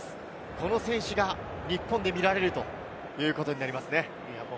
この選手が日本で見られるということになりますね。